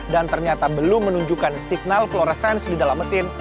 dan ternyata belum menunjukkan signal fluorescence di dalam mesin